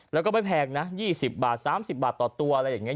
แล้วก็ไม่แพงนะ๒๐บาท๓๐บาทต่อตัวอะไรอย่างนี้